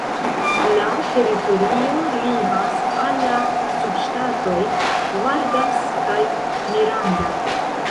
La teritorio limas al la subŝtatoj "Vargas" kaj "Miranda".